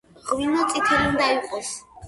ღვინო წითელი უნდა იყოს.